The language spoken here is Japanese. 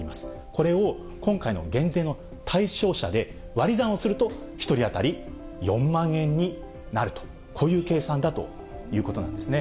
これを、今回の減税の対象者で割り算をすると、１人当たり４万円になると、こういう計算だということなんですね。